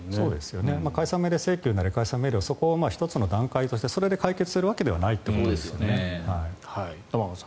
解散命令請求なり解散命令をそこを１つの段階としてそこを解決とするわけではないということですね。